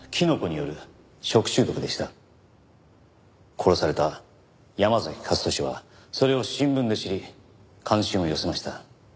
殺された山崎勝利はそれを新聞で知り関心を寄せました。